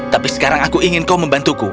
tapi sekarang aku ingin kau membantuku